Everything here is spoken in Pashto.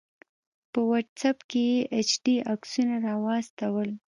په واټس آپ کې یې ایچ ډي عکسونه راواستول